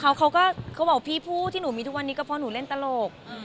เขาก็เขาบอกพี่พูดที่หนูมีทุกวันนี้ก็เพราะหนูเล่นตลก